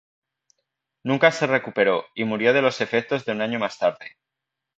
Nunca se recuperó, y murió de los efectos de un año más tarde.